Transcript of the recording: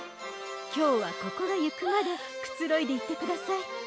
今日は心ゆくまでくつろいでいってください